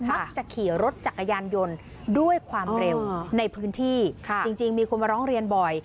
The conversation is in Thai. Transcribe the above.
มักจะขี่รถจักรยานยนต์ด้วยความเร็วในพื้นที่จริงมีคนมาร้องเรียนบ่อย